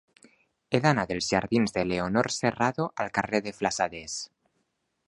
He d'anar dels jardins de Leonor Serrano al carrer de Flassaders.